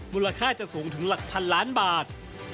มูลค่าจะสูงถึงหลักพันล้านบาท